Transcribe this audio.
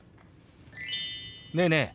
ねえねえ